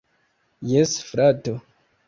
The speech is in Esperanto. Jes, frato.